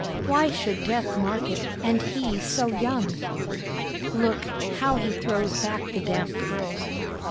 Why should death mark it, and he so young? Look, how he throws back the damp curls!